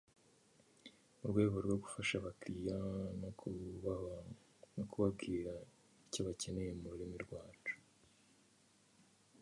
A single-track railroad branch line between Plymouth and Sheboygan runs through the city.